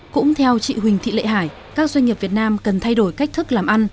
cũng theo chị huỳnh thị lệ hải các doanh nghiệp việt nam cần thay đổi cách thức làm ăn